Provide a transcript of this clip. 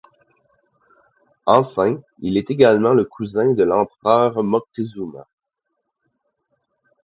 Enfin, il est également le cousin de l'empereur Moctezuma.